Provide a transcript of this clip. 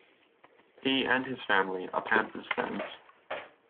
He and his family are Panthers fans.